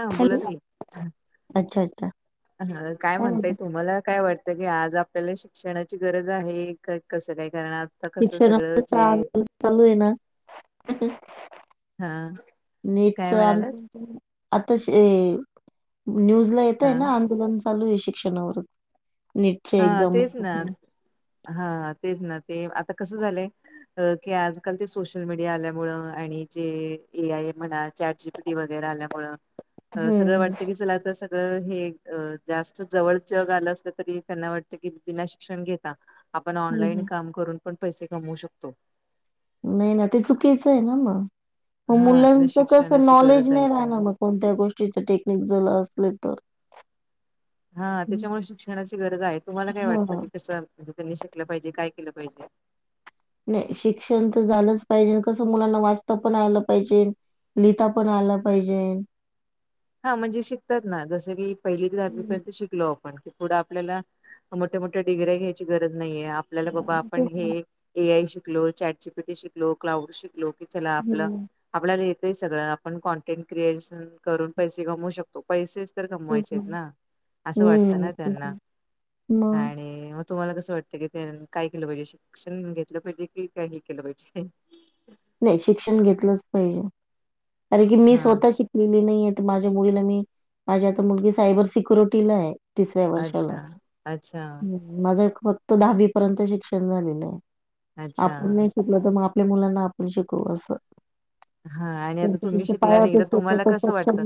हा हॅलो बोलत आहे अच्छा अच्छा ह काय म्हणताय तुम्हाला काय वाटत आज आपल्याला शिक्षणाची गरज आहे का कसं काय कारण आ शिक्षणा चाल चालू आहे ना [inaudible] हा नेटच काय [inaudible] म्हणालात आता न्यूज ला हा येतय ना आंदोलन चालू आहे शिक्षणावरच नीटच्या हा एक्झाम तेच ना हा तेच ना ते आता कसं झालंय की आजकाल ते सोशल मीडिया आल्यामुळे आणि जे ए आय ए म्हणा चॅट जी टी वगैरे आल्यामुळ सगळं वाटत की चला आता सगळं हे जास्त जवळच जास्त जवळच झाला असत तरी त्यांना वाटत की बिना शिक्षण घेता आपण ऑनलाईन हम्म. काम करून पण पैसे कमवू शकतो नाही ना ते चुकीचं आहे ना मग मग हा त्याला मुलांच कसं शिक्षणाची गरज नॉलेज आहे नाही का राहणार मग कोणत्या गोष्टीच टेक्निक जर असले तर. हा त्याच्यामुळे शिक्षणाची गरज आहे तुम्हाला काय वाटतं हा की कसं म्हणजे त्यांनी शिकलं पाहिजे काय केलं पाहिजे नाही शिक्षण तर झालंच पाहिजे कसं मुलांना वाचता पण आलं पाहिजे लिहीता पण आला पाहिजे हा म्हणजे शिकतात ना जसं की पहिली ते दहावी हम्म पर्यंत शिक शिकलो आपण पुढ आपल्याला मोठे मोठ्या डिग्र्या घ्यायची गरज नाहीे आहे आपल्याला बाबा आपण तेच ना. हे ए आय शिकलो चॅटजी पिटी शिकलो क्लाउड शिकलो लो की चला आपलं हम्म आपल्याला येतय सगळं आपण कॉनटेंट क्रिएशन करून पैसे कमवू शकतो पैसेच तर कमवायचेत ना असं वाटतं हं, ना तेच त्यांना मग आणि मग तुम्हाला कसं वाटतं की काय केलं पाहिजे शिक्षण घेतलं पाहिजे कि काय हे केलं पाहिजे नाही शिक्षण घेतलंच पाहिजे कारण की मी हा स्वतः शिक कली नाहीय तर माझ्या मुलीला मी माझी आता मुलगी सायबर सिक्युरिटीला आहे तिसऱ्या वर्षाला अच्छा अच्छा हम माझं एक फक्त दहावी पर्यंत शिक्षण झालेलं अच्छा आपण नाही शिक आपलं तर मग आपल्या मुलांना आपण शिकवू असं हा आणि आता त्यांच्या तुम्ही त्यांच्या शिकला पायावर नाही ते तर तुम्हाला स्वतः कसं सक्षम वाटतं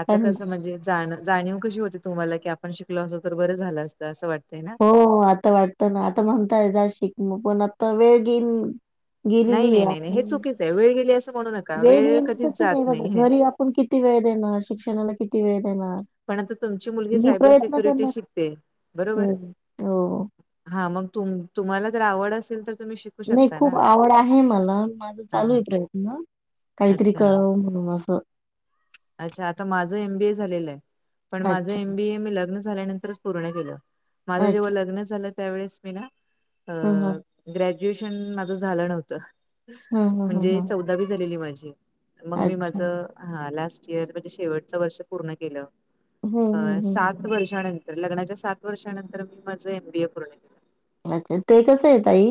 आता काय म्हणतात कसं म्हणजे जाण जाणीव कशी होते तुम्हाला की आपण शिकलो असो तर बरं झालं असतं असं वाटतंय ना हो आता वाटतं ना आता म्हणताय जा शिक म पण आता वेळ गेली नाही गेलेली नाही आहे. नाही नाही आपण हे चुकीच आहे वेळ गेली असं म्हणू नका वेळ कधीच जात नाही ह. पण किती वेळ देणार शिक्षणाला किती वेळ देणार. पण आता तुमची मुलगी मी सायबर प्रयत्न सिक्युरिटी करणार. शिकते बरोबर हम्म हो. हा मग तुम् तुम्हाला जर आवड असेल तर तुम्ही शिकू नाही शकता खूप ना आवड आहे मला माझे चालू हा आहे प्रयत्न काहीतरी अच्छा कर म्हणून असं अच्छा आता माझ एमबीए झालेलं आहे पण माझं अच्छा एमबीए मी लग्न झाल्यानंतरच पूर्ण केलं माझं जेव्हा अच्छा लग्न झालं त्यावेळेस मी ना अ ह ह ग्रॅज्युएशन माझ झालं नव्हतं ह ह ह म्हणजे ह च दावी झालेली माझी मग मी अच्छा माझ हा लास्ट यर म्हणजे शेवट वर्ष पूर्ण केलं हम्म अ सात हम्म हम्म. सात वर्षानंतर लग्नाच्या सात वर्षानंतर मी माझ एम बी ए पूर्ण केलं अच्छा ते कसं आहेेत ताई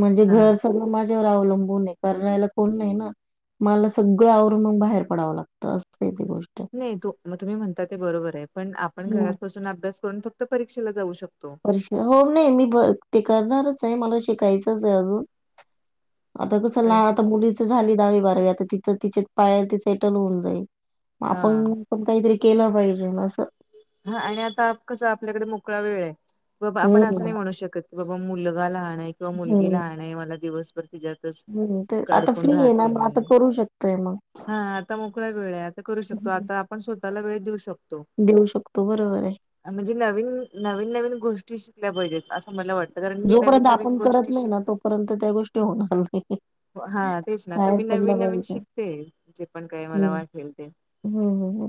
म्हणजे हा घर सगळं माझ्यावर अवलंबून आहे करायला कोण नाही ना मला सगळं आवरून मग बाहेर पडावं लागतं असंच गोष्ट नाही तो मग तुम्ही म्हणता ते बरोबर आहे पण आपण हम्म. घरात बसून अभ्यास करून फक्त परीक्षेला जाऊ शकतो हो नाही मी ते करणारच आहे मला शिकायचंच आहे अजून आता कसं लान आता मुलीच झाली दहावी, बारावी आता तिचं तिचे पायर त सेटल होऊन जाईल. म हा आपण पण काहीतरी केलं पाहिजे नां अस हा हा आणि आता कसं आपल्याकडे मोकळा वेळ आहे. बाबा आपण असं हम्म, नाही म्हणू शकत की बाबा मुलगा लहान आहे. किंवा मुलगी हम्म, लहण आहे. मला दिवसभर तिच्यात हम्म. ते आता काडकून फ्री आहे ना राहते मग आता मी. करू शकतोय मग. हा आता मोकळा वेळ आता करू शकतो. हं, आता आपण स्वतःला वेळ देऊ शकतो. देऊ शकतो बरोबर आहे. म्हणजे नवीन नवीन, नवीन गोष्टी शिकल्या पाहिजेत असं मला वाटतं. कारण मी नवीन नवीन गोष्टी शिकते. परंतु त्या गोष्टी होणार नाहीत. हा तेच ना तर मी नवीन नवीन शिकते. जे पण काय मला वाटेल ते हम्म ह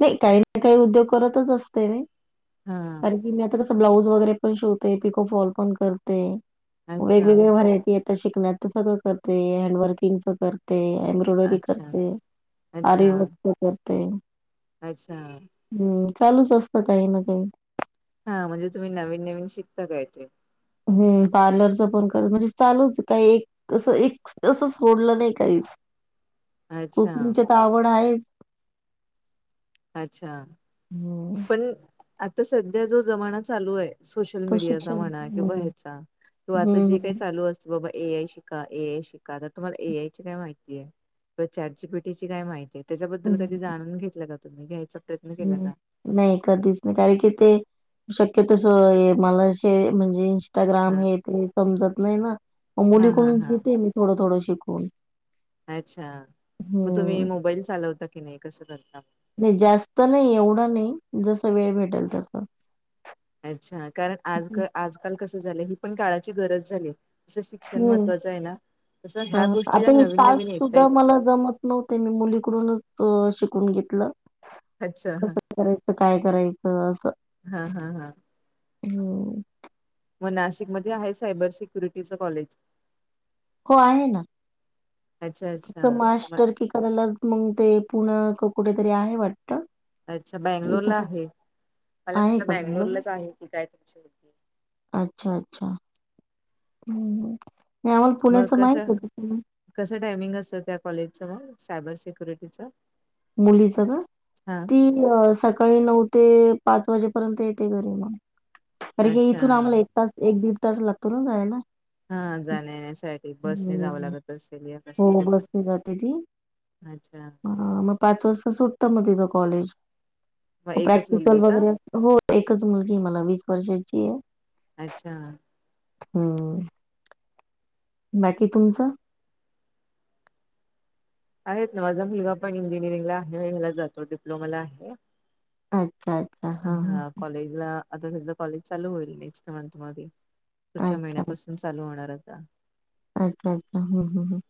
नाही काही ना काही उद्योग करतच असते. हा. [inaudible] ब्लाऊज वगैरे पण शिवते. पिकॉल पण करते. अच्छा वेगवेळे व्हरायटी आहे. ते शिकण्यात सगळं करते हँड वर्किंग च करते. [inaudible] अच्छा करते अच्छा आरीवर्क करते. अच्छा. हम्म चालूच असतं काही ना काही. हा म्हणजे तुम्ही नवीन नवीन शिकता काय ते हम्म पार्लरच पण करते. म्हणजे चालूच काय एक अस एक तं सोडलं नाही काही. अच्छा कुकिंगच्या तर आवड आहेच. अच्छा. हो. पण आता सध्या जो जमाना चालू आहे सोशल तो मीडियाचा शिक्षण म्हणा किंवा हं, ह्याचा किंवा आता हं, जे काही हं, चालू अस बाबा ए आय शिका, ए आय शिका तर तुम्हाला ए आय ची काय माहिती आहे. किंवा चॅट जी पी टी ची काय माहिती आहे त्याच्याबद्दल हं, कधी जाणून घेतलं का तुम्ही घ्यायचा प्रयत्न केला का! हं. नाही कधीच नाही. कारण की ते शक्य तस मला म्हणजे इस्टाग्राम हा हे ते समजत नाही ना म हा हा मुलीकडून हा घेते मी थोडं थोडं शिकून [unintelligible] मग तुम्ही हं. मोबाईल चालवता की नाही कसं करता. नाही जास्त नाही एवढं नाही जस वेळ भेटेल तस अच्छा कारण आज आजकाल कसं झालं, ही पण काळाची गरज झाली तसं शिक्षण हं. महत्त्वाचं आहे. ना तसं ह्या हां. गोष्टी ज्या आता हे नवीन तास नवीन सुद्धा येतात ना मला जमत नव्हते मी मुलीकडूनच अ शिकून घेतलं. अच्छा हा कसं करायचं काय करायचं असं हा हा हा हो. मग नाशिकमध्येध्ये आहे सायबर सिक्युरिटीचं कॉलेज हो आहे ना. अच्छा अच्छा फक्त म मास्टर की करायला मग ते पुन कुठेतरी आहे वाटत. अच्छा बेंगलोर ला आहे. मला आहे म्हटलं का बेंगलोर म्हणलं? लाच आहे की काय तुमची रूम अच्छा अच्छा. हम्म नाही आम्हाला मग पुण्याच माहित कसं होत पुण कसं टायमिंग असतं त्या कॉलेजच मग सायबर सिक्युरिटीचं मुली च ना हा ती सकाळी नऊ ते पाच वाजेपर्यंत येते घरी मग अर का अच्छा इथून आम्हाला एक तास एक दीड तास लागतो ना जायला. हा जाण्या येण्यासाठी बसने जावं हं. लागत हो, बसने [inaudible] ह मग पाच वाजता सुटत मग तिचं कॉलेज. मग एकच प्रॅक्टिकल मुलगी का वगैरे हो एकच मुलगी मला वीस वर्षाची आहे. अच्छा हम्म. बाकी तुमचं- आहेत ना माझा मुलगा पण इंजिनिअरिंगला आहे मला जातो डिप्लोमाला आहे. [unintelligible] शाळेत हा कॉलेज ला आता त्याचं कॉलेज चालू होईल नेक्स्ट मंथ मध्ये पुढच्या अच्छा, महिन्यापासून - चालू होणार आता. अच्छा अच्छा हम्म - हम्म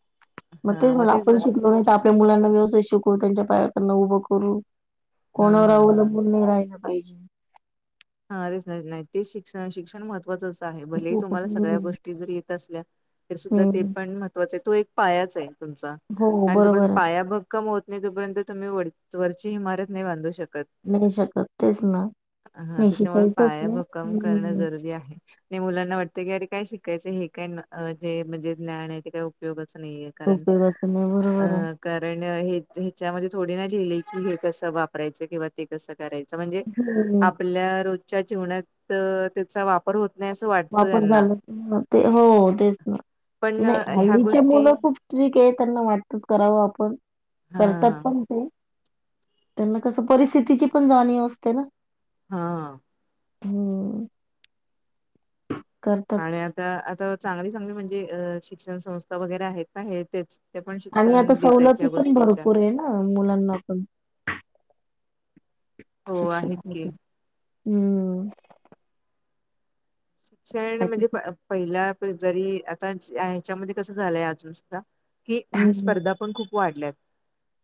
मग तेच मला आपण शिकलो नाही तर आप - आपल्या मुलांना व्यवसाय शिकवू त्यांच्या पाया त्यांना उभं करू हा कोणावर हा हा अवलंबून नाही राहिला. [unintelligible] हा [unintelligible] नाही नाही ते शिक्षण शिक्षण महत्वाचंचं आहे भलेही हो. तुम्हाला हं, सगळ्या गोष्टी- जर येत असल्या तर सुद्धा ते हं. पण महत्त्वाचं आहे तो एक पायाच आहे. तुमचा हो, आणि जोपर्यंत बरोबर आहे. पाया भक्क- कम होत नाही तोपर्यंत तुम्ही व वरची इमारत नाही बांधू शकत. नाही शकत तेच ना हा नाही. त्याच्यामुळे शिकायचंच पाया आहे. भक्कम करणं हं. जरुरी आहे. नाही मुलांना वाटत की अरे काय शिकायचं हे काय जे म्हणजे ज्ञान आहे ते काय उपयोगाच नाहीये. कारण उपयोगाचं नाही. अ बरोबर आहे. कारण हे ह्याच्यामध्ये थोडी ना झेली की हे कसं वापरायचं किंवा ते कस करायच म्हणजे हं. आपल्या रोजच्या जीवनात त्याचा वापर होत नाही असं वा वापर झाला ते हो तेच ना पण नाही ह्या हल्लीचे गोष्टी मुलं खूप नाही काय त्यांना वाटतच करावं आपण हा करतात पण ते त्यांना कसं परिस्थितीची पण जाणीव असते ना. हा. हो. कर. आणि आता आता चांगली चांगली म्हणजे शिक्षण संस्था वगैरे आहेत ना हे तेच ते पण शिक्षण देतय ह्या गोष्टीच्या ह मुलांना आपण हो शिक्षण आहेत की हम्म. शिक्षण बाकी म्हणजे- पहिला जरी आता ह्याच्यामध्ये कस झालंय अजून सुद्धा की हम्म स्पर्धा पण खूप वाढल्यात.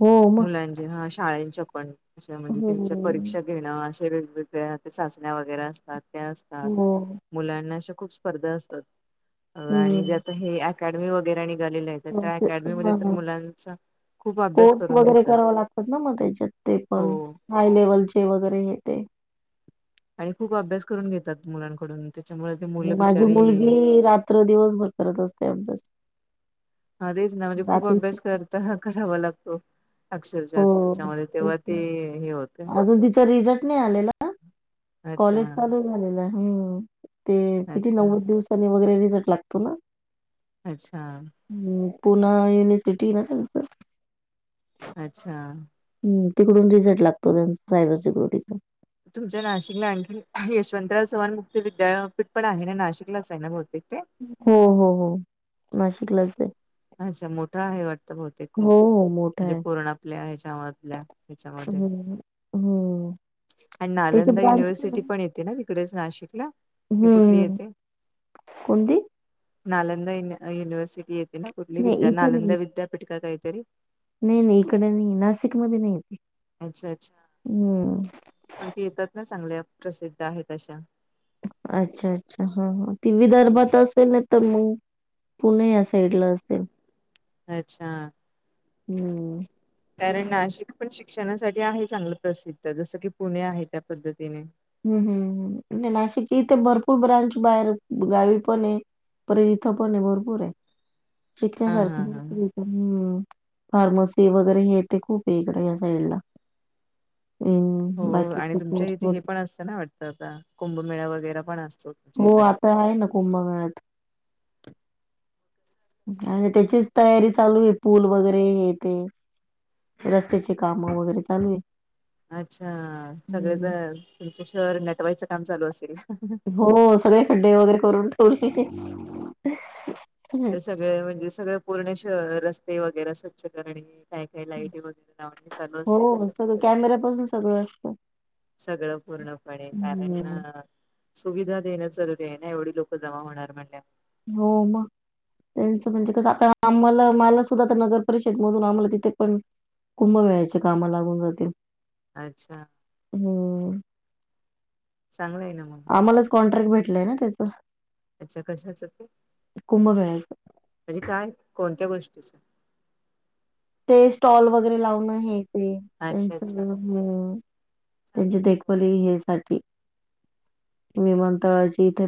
हो मग मुलाच्या शाळेच्या पण त्यांच्या हम्म परीक्षा घेणं अशे वेगवेगळ्या चाचण्या वगैरे असतात त्या असतात हो. मुलांना अशा खूप स्पर्धा असतात आणि ज्या हम्म आता हे अकॅडमी वगैरे निघालेल्या आहेत. त्या अकॅडमीमध्ये हां तर हां. मुलांचा खूप अभ्यास कोर्स करून वगैरे घेतात कराव लागतात ना मग त्याच्यात ते हो पण. हाय लेव्हलचे वगैरे हे ते. आणि खूप अभ्यास करून घेतात मुलांकडून त्याच्यामुळे ते मुलं माझी बिचारी मुलगी रात्र दिवसभर करत असते अभ्यास. हा तेच ना म्हणजे खूप रात्रीची अभ्यास करता करावा लागतो. अक्षरशः हो त्याच्यामध्ये तेच तेव्हा ते ना हे होते. अजून तिचं रिझल्ट नाही आलेला. अच्छा कॉलेज चालू झालेला. हो ते किती अच्छा नव्वद दिवसानी वगैरे रिझल्ट लागतो ना अच्छा. हम् पुना युनिव्हर्सिटी नसेल तर अच्छा. हम् तिकडून रिझल्ट लागतो त्यांचा सायबर सिक्युरिटीचा. तुमच्या नाशिकला आणखी यशवंतराव चव्हाण मुक्त विद्यापीठ पण आहे ना नाशिकलाच आहे ना बहुतेक ते. हो हो हो नाशिकलाच आहे. अच्छा मोठा आहे वाट. बहुतेक हो ते खूप हो. मोठा म्हणजे आहे. पूर्ण आपल्या आहे हेच्यामधल्या त्याच्यामध्ये हं. हं. आणि त्याची नालंदा ब्रांच युनिव्हर्सिटी आहे. पण येत. ना तिकडेच नाशिकला ते कुठली हं. येते. कोणती? नालंदा युनिव्हर्सिटी येते ना कुठली नाही विद्या इथं नाही. नालंदा विद्यापीठ का काहीतरी नाही नाही इकडे नाही नाशिक मध्ये नाही ते अच्छा अच्छा को कोणती येतात ना चांगल्या प्रसिद्ध आहेत अशा अच्छा अच्छा हा ती हम्म. विदर्भातच असेल तर मग पुणे या साईड ला असेल. अच्छा. हम्म. कारण नाशिक पण शिक्षणासाठी आहे चांगलं प्रसिद्ध जसं की पुणे आहे त्या पद्धतीने हम्म हम्म आणि नाशिकची इथे भरपूर ब्रांच बाहेर गावी पण आहे. पर इथं पन भरपूर आहे हा शिकखण्यासारखं हा हा हम्म फार्मसी वगैरे हे ते खूप आहे इकड या साईड ला. हो आणि बाकीचे तुमच्या कोर्स इथे हे वगैरे. पण असतं ना वाटतं आता कुंभमेळा वगैरे पण असतो. तुमच्या हो इकडे. आता आहे ना कुंभमेळा त्याचीच तयारी चालू आहे पूल वगैरे हे ते रस्त्याची काम वगैरे चालू आहे. अच्छा सगळे हं. जण तुमच्या शहर नटवाईच काम चालू असेल. हो सगळे खड्डे वगैरे करून ठेवले. ते सगळे म्हणजे सगळे पूर्ण शह रस्ते वगैरे स्वच्छ करणे. काय काय लाईटी वगैरे लावणे चालू असतय ना सगळीकडे. त्यापासुन सगळं असतं. सगळं पूर्णपणे कारण हं. सुविधा देणं जरुरी आहे ना एवढी लोक जमा होणार म्हणल्यावर हो मग. त्यांचं म्हणजे कस आता आम्हाला मला सुद्धा नगर परिषद मधून आम्हाला तिथे पण, कुंभमेळाची कामं लागून जातील. अच्छा. हो. चांगलं आहे ना मग. आम्हालाच कॉन्ट्रॅक्ट भेटलय ना त्याच. अच्छा कशाच ते कुंभमेळ्याचं. म्हणजे काय? कोणत्या गोष्टीच? ते स्टॉल वगैरे लावन हे ते त्यांच अच्छा अच्छा. हम्म्म चांगलं त्यांची आहे ना मग देखभाली हे साठी. विमानतळाची